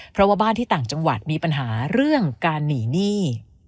เพราะว่าบ้านที่ต่างจังหวัดมีปัญหาเรื่องการหนีหนี้